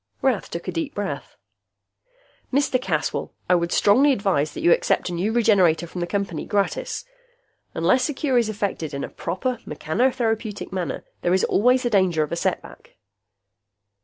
Rath took a deep breath. "Mr. Caswell, I would strongly advise that you accept a new Regenerator from the Company, gratis. Unless a cure is effected in a proper mechanotherapeutic manner, there is always the danger of a setback."